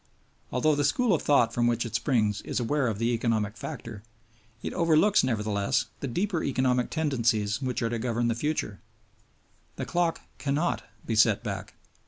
Although the school of thought from which it springs is aware of the economic factor, it overlooks, nevertheless, the deeper economic tendencies which are to govern the future. The clock cannot be set back.